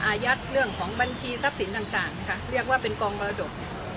อายัดเรื่องของบัญชีทรัพย์สินต่างค่ะเรียกว่าเป็นกองมรดก